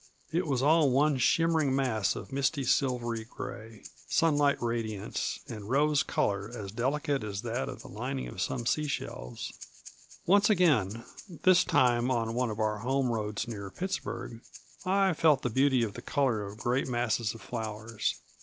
It was all one shimmering mass of misty silvery gray, sunlight radiance, and rose color as delicate as that of the lining of some seashells. Once again, this time on one of our home roads near Pittsburg, I felt the beauty of the color of great masses of flowers.